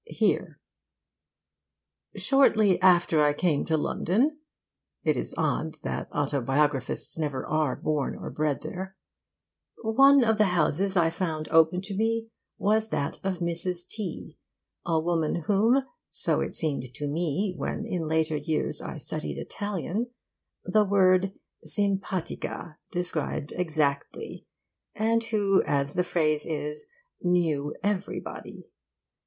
Here: 'Shortly after I came to London' it is odd that autobiographists never are born or bred there 'one of the houses I found open to me was that of Mrs. T , a woman whom (so it seemed to me when in later years I studied Italian) the word simpatica described exactly, and who, as the phrase is, "knew everybody."